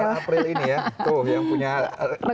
tuh yang punya banyak rekening